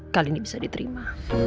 kali ini bisa diterima